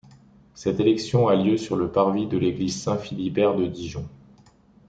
Cette élection a lieu sur le parvis de l'Église Saint-Philibert de Dijon.